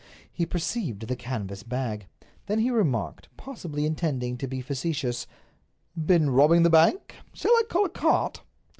He perceived the canvas bag. Then he remarked, possibly intending to be facetious: "Been robbing the bank? Shall I call a cart?"